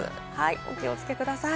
お気をつけください。